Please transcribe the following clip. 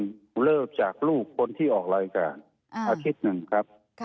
แล้วตอนนี้หลังจากลูกคนที่ออกรายการอาทิตย์นึงครับ